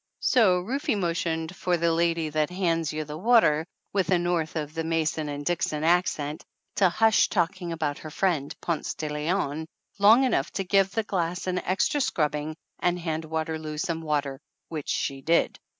So Rufe motioned for the lady that hands you the water, with a North of the Mason and Dixon accent, to hush talking about her friend, Ponce de Leon, long enough to give the glass an extra scrubbing and hand Waterloo some water, which she did.